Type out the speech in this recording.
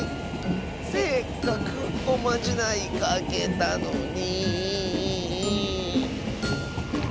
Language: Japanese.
せっかくおまじないかけたのに。